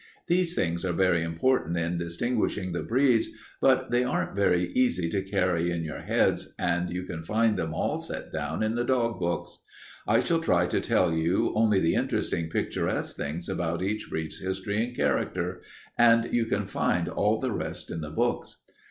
These things are very important in distinguishing the breeds, but they aren't very easy to carry in your heads, and you can find them all set down in the dog books. I shall try to tell you only the interesting, picturesque things about each breed's history and character, and you can find all the rest in the books.